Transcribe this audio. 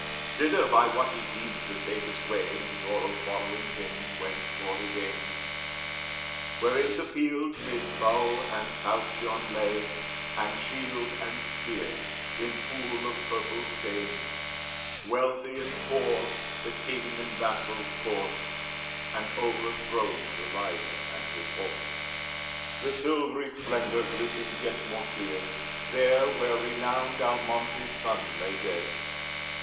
Thither by what he deems the safest way (Medoro following him) went Cloridane Where in the field, 'mid bow and falchion lay, And shield and spear, in pool of purple stain, Wealthy and poor, the king and vassal's corse, And overthrown the rider and his horse. The silvery splendor glistened yet more clear, There where renowned Almontes's son lay dead.